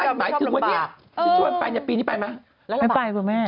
ฉันชวนไปนับปีนี้ไปไหม